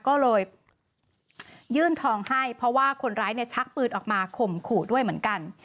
ก็เลยยื่นทองให้เพราะว่าคนร้ายเนี่ยชักปืนออกมาข่มขู่ด้วยเหมือนกัน